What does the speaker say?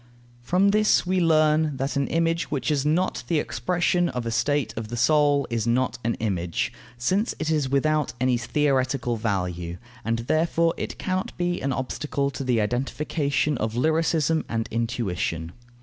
From this we learn that an image, which is not the expression of a state of the soul, is not an image, since it is without any theoretical value; and therefore it cannot be an obstacle to the identification of lyricism and intuition.